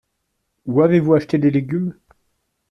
Où avez-vous acheté les légumes ?